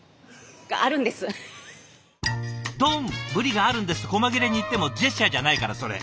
「どんぶりがあるんです」ってこま切れに言ってもジェスチャーじゃないからそれ。